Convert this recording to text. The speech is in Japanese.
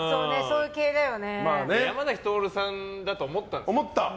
山咲トオルさんだと思ったんですよ。